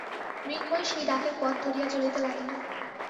মৃন্ময়ী সেই ডাকের পথ ধরিয়া চলিতে লাগিল।